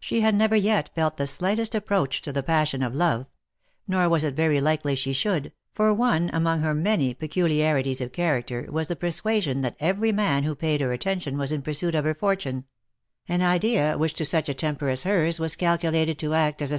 She had never yet felt the slightest approach to the passion of love; nor was it very likely she should, for one among her many peculiarities of character was the persuasion that every man who paid her attention was in pursuit of her fortune, an idea, which to such a temper as hers was calculated to act as a.